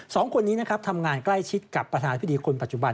สองคนนี้ทำงานใกล้ชิดกับประธานาธิวดีคนปัจจุบัน